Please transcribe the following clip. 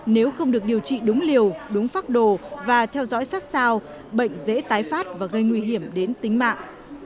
nếu không được điều trị đúng liều đúng phác đồ và theo dõi sát sao bệnh dễ tái phát và gây nguy hiểm đến tính mạng